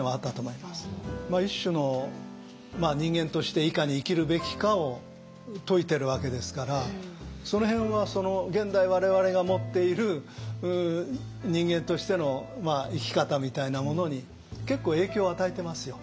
一種の人間としていかに生きるべきかを説いてるわけですからその辺は現代我々が持っている人間としての生き方みたいなものに結構影響与えてますよ。